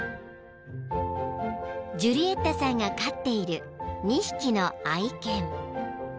［ジュリエッタさんが飼っている２匹の愛犬］